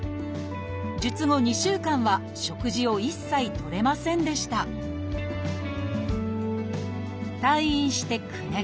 術後２週間は食事を一切とれませんでした退院して９年。